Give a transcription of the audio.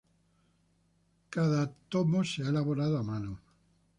Cada tomo se ha elaborado a mano.